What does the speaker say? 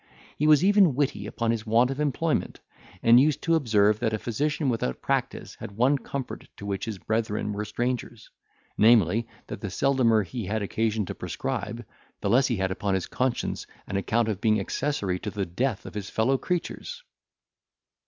He was even witty upon his want of employment, and used to observe, that a physician without practice had one comfort to which his brethren were strangers, namely, that the seldomer he had occasion to prescribe, the less he had upon his conscience on account of being accessory to the death of his fellow creatures.